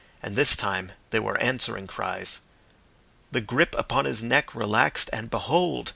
And this time there were answering cries. The grip upon his neck relaxed, and behold!